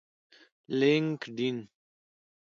لینکډین